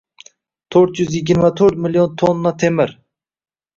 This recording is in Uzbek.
To'rt yuz yigirma to'rt million tonna temir